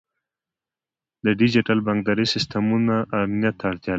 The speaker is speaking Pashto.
د ډیجیټل بانکدارۍ سیستمونه امنیت ته اړتیا لري.